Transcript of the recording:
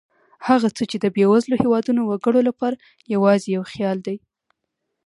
هغه څه چې د بېوزلو هېوادونو وګړو لپاره یوازې یو خیال دی.